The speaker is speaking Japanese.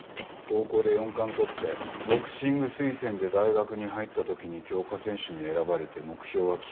高校で４冠とってボクシング推薦で大学に入った時に強化選手に選ばれて目標は金メダル。